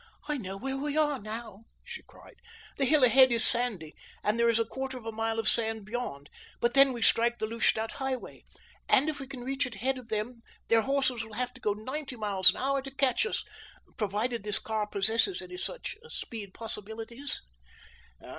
"I know where we are now," she cried. "The hill ahead is sandy, and there is a quarter of a mile of sand beyond, but then we strike the Lustadt highway, and if we can reach it ahead of them their horses will have to go ninety miles an hour to catch us—provided this car possesses any such speed possibilities."